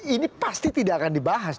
ini pasti tidak akan dibahas